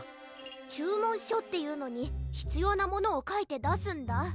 ちゅうもんしょっていうのにひつようなものをかいてだすんだ。